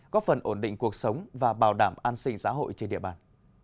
góp phần ổn định cuộc sống và bảo đảm an sinh xã hội trên địa bàn